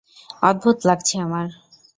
অদ্ভুত লাগছে আমার।